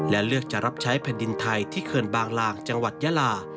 และเลือกจะรับใช้แผ่นดินไทยที่เขินบางลางจังหวัดยาลา